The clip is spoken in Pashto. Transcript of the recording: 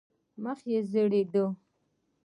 مخ یې زېړېده.